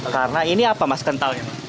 karena ini apa mas kentalnya